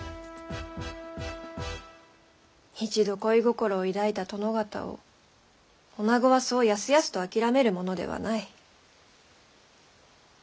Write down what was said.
一度恋心を抱いた殿方を女子はそうやすやすと諦めるものではない。